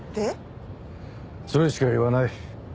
それしか言わない。